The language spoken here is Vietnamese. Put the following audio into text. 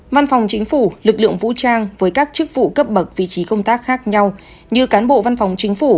văn phòng chính phủ lực lượng vũ trang với các chức vụ cấp bậc vị trí công tác khác nhau như cán bộ văn phòng chính phủ